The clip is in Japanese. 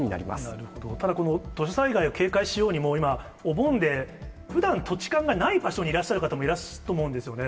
なるほど、ただ、土砂災害を警戒しようにも、今、お盆で、ふだん土地勘がない場所にいらっしゃると思うんですよね。